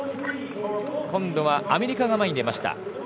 今度はアメリカが前に出ました。